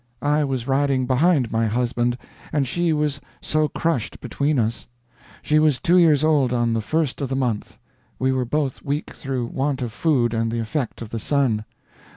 I was riding behind my husband, and she was so crushed between us. She was two years old on the first of the month. We were both weak through want of food and the effect of the sun.